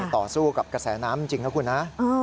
ต่อสู้กับกระแสน้ำจริงนะคุณนะ